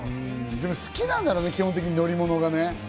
でも好きなんだろうね、基本的に乗り物がね。